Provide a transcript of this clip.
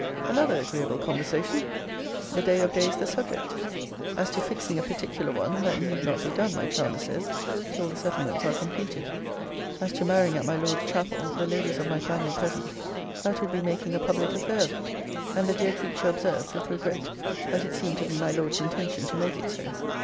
Another agreeable conversation. The day of days the subject. As to fixing a particular one, that need not be done, my charmer says, till the settlements are completed. As to marrying at my Lord's chapel, the Ladies of my family present, that would be making a public affair of it; and the dear creature observed, with regret, that it seemed to be my Lord's intention to make it so.